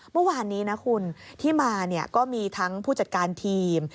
เมื่อวานนี้นะคุณที่มาก็มีทั้งผู้จัดการทีม